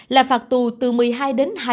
là phạt tội với người dưới một mươi sáu tuổi